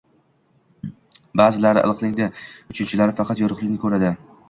Ba’zilari iliqlikni, uchinchilari faqat yorug’likni ko’radi